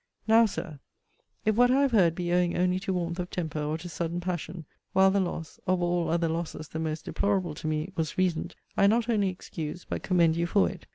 Now, Sir, if what I have heard be owing only to warmth of temper, or to sudden passion, while the loss of all other losses the most deplorable to me was recent, I not only excuse, but commend you for it.